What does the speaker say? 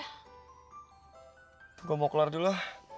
tunggu gua mau kelar dulu